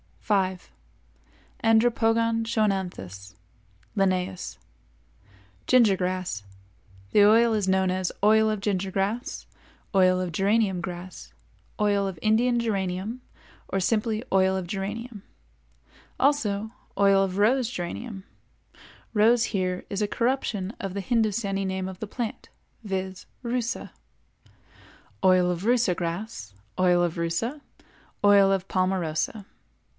5. Andropogon Schoenanthus L.—Ginger Grass. The oil is known as Oil of Ginger Grass, Oil of Geranium Grass, Oil of Indian Geranium or simply Oil of Geranium, also Oil of Rose Geranium ["Rose" is here a corruption of the Hindostanee name of the plant, viz., Rusa], Oil of Rusa Grass, Oil of Rusa, Oil of Palmarosa.